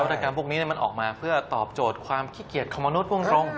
ธกรรมพวกนี้มันออกมาเพื่อตอบโจทย์ความขี้เกียจของมนุษย์พูดตรง